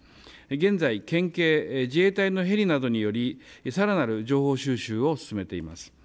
現在、県警、自衛隊のヘリなどによりさらなる情報収集を進めています。